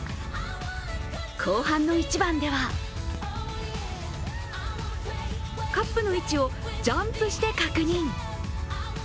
後半の１番ではカップの位置をジャンプして確認。